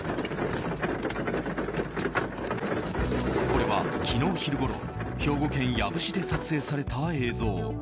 これは昨日昼ごろ兵庫県養父市で撮影された映像。